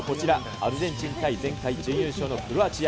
アルゼンチン対前回準優勝のクロアチア。